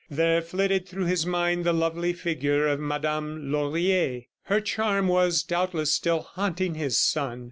There flitted through his mind the lovely figure of Madame Laurier. Her charm was, doubtless, still haunting his son.